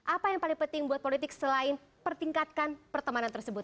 apa yang paling penting buat politik selain pertingkatkan pertemanan tersebut